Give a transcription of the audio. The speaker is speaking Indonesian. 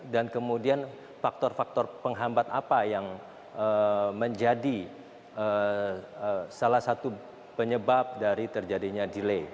dan kemudian faktor faktor penghambat apa yang menjadi salah satu penyebab dari terjadinya delay